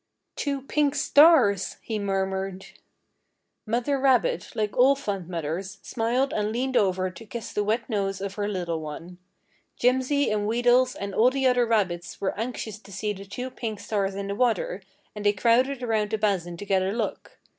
"Two pink stars!" he murmured. Mother rabbit, like all fond mothers, smiled and leaned over to kiss the wet nose of her little one. Jimsy and Wheedles and all the other rabbits were anxious to see the two pink stars in the water, and they crowded around the basin to get a look.